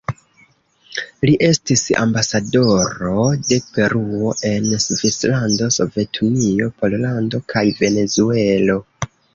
Li estis ambasadoro de Peruo en Svislando, Sovetunio, Pollando kaj Venezuelo.